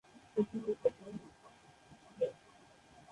প্রথম লক্ষ্য প্রহরী।